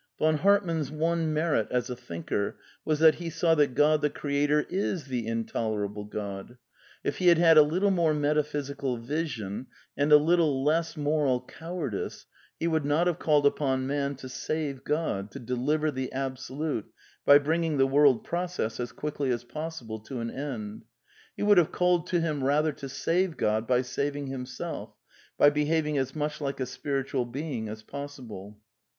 Von Hartmann's one merit as a thinker was that ^ ^e saw that God the Creator is the intolerable Qod. If he had had a little more metaphysical vision, and a little less moral cowardice, he would not have called upon man to save God, to deliver the Absolute, by bringing the world process as quickly as possible to an end. He would have called to him rather to save God by saving himself, by be having as much like a spiritual being as possible.